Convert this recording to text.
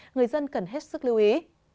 người dân cần hết sức lưu ý